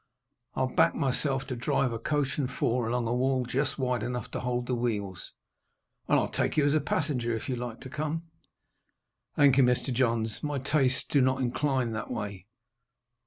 I'll back myself to drive a coach and four along a wall just wide enough to hold the wheels and I'll take you as a passenger, if you like to come." "Thank you, Mr. Johns, my tastes do not incline that way."